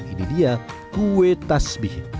ini dia kue tasbih